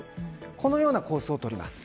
このようなコースを取ります。